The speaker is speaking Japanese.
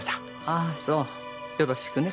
ああそうよろしくね。